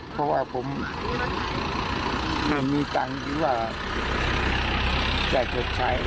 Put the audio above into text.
เพราะว่าผมเริ่มมีตังค์ที่ว่าได้ชดใช้